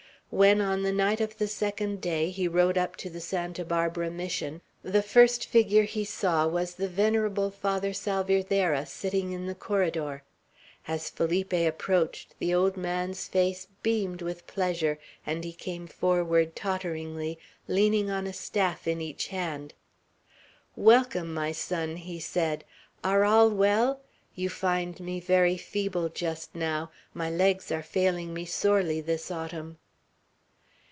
When, on the night of the second day, he rode up to the Santa Barbara Mission, the first figure he saw was the venerable Father Salvierderra sitting in the corridor. As Felipe approached, the old man's face beamed with pleasure, and he came forward totteringly, leaning on a staff in each hand. "Welcome, my son!" he said. "Are all well? You find me very feeble just now; my legs are failing me sorely this autumn."